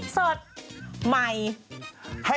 สวัสดีค่ะ